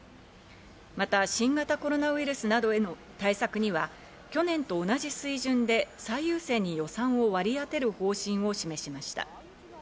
また新型コロナウイルスなどへの対策には、去年と同じ水準で最優先に予算を割り当てる方針を示しました。